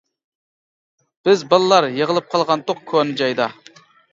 بىز بالىلار يىغىلىپ قالغانتۇق كونا جايدا.